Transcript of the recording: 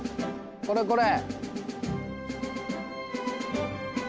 これこれ！